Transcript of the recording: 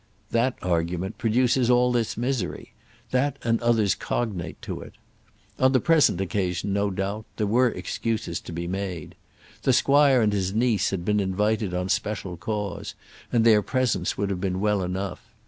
That argument produces all this misery; that and others cognate to it. On the present occasion, no doubt, there were excuses to be made. The squire and his niece had been invited on special cause, and their presence would have been well enough.